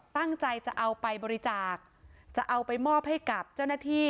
ตั้งใจจะเอาไปบริจาคจะเอาไปมอบให้กับเจ้าหน้าที่